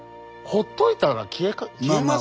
ほっといたら消えます。